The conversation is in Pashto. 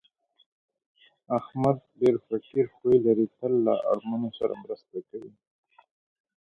احمد ډېر فقیر خوی لري، تل له اړمنو سره مرسته کوي.